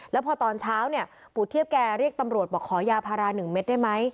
แล้วพอตอนเช้าเนี่ยปู่เทียบแกเรียกตำรวจบอกขอยาพารา๑เม็ดได้ไหม